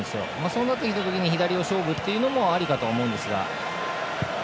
そういう時に左の勝負というのもありかと思うんですが。